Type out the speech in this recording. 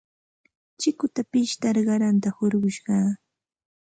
Chikuta pishtar qaranta hurqushqaa.